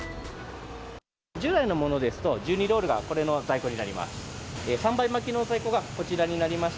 従来のものですと、１２ロールがこれの在庫になります。